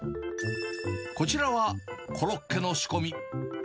こちらはコロッケの仕込み。